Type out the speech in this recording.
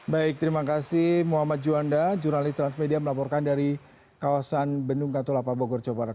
baik terima kasih muhammad juanda jurnalis transmedia melaporkan dari kawasan bendung katolapa bogor jawa barat